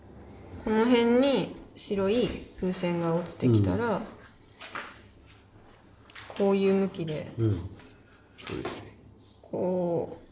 この辺に白い風船が落ちてきたらこういう向きでこういう感じ？